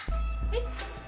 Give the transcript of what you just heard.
えっ。